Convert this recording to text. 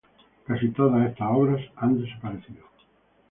Casi todas estas obras han desaparecido.